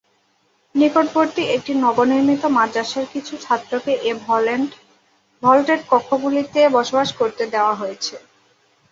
নিকটবর্তী একটি নবনির্মিত মাদ্রাসার কিছু ছাত্রকে এ ভল্টেড কক্ষগুলিতে বসবাস করতে দেওয়া হয়েছে।